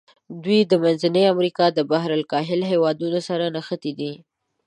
دوی د منځني امریکا د بحر الکاهل هېوادونو سره نښتي دي.